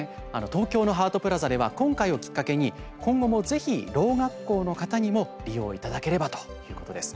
東京のハートプラザでは今回をきっかけに今後もぜひ、ろう学校の方にも利用いただければということです。